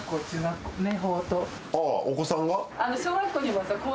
お子さんが？